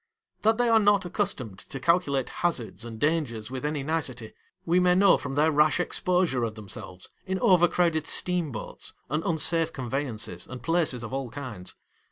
That they are not accustomed to calculate hazards and dangers with any nicety, we may know from their rash exposure of themselves in over crowded steam boats, and unsafe conveyances and places of all kinds.